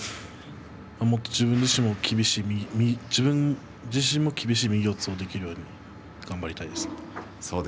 もっと自分自身も厳しい右四つができるように頑張りたいです。